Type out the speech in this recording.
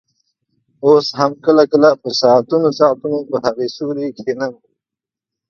اوس هم کله کله په ساعتونو ساعتونو په هغه سوري کښېنم.